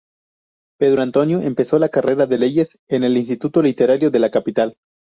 Pedro Antonio empezó la carrera de Leyes en el Instituto Literario de la capital.